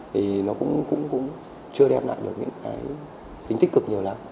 thì nó cũng chưa đem lại được những cái tính tích cực nhiều lắm